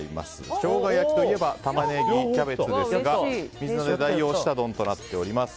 ショウガ焼きといえばタマネギ、キャベツですが水菜で代用した丼となっております。